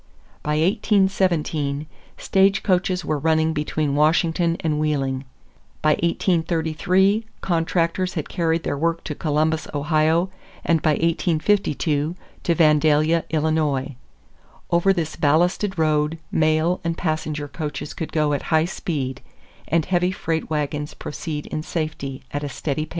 By 1817, stagecoaches were running between Washington and Wheeling; by 1833 contractors had carried their work to Columbus, Ohio, and by 1852, to Vandalia, Illinois. Over this ballasted road mail and passenger coaches could go at high speed, and heavy freight wagons proceed in safety at a steady pace.